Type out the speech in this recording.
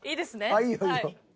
あっいいよいいよ。